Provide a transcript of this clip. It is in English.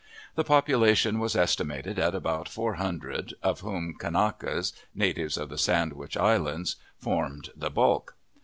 The population was estimated at about four hundred, of whom Kanakas (natives of the Sandwich Islands) formed the bulk.